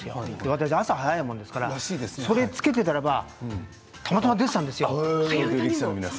私、朝、早いものですからそれをつけていたらたまたま出ていたんですよ。